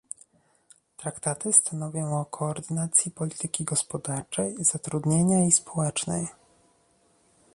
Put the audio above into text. Traktaty stanowią o koordynacji polityki gospodarczej, zatrudnienia i społecznej